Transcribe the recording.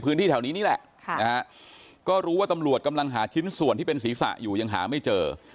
พื้นที่แถวนี้นี่แหละก็รู้ว่าตำรวจกำลังหาชิ้นส่วนที่เป็นศีรษะอยู่ยังหาไม่เจอ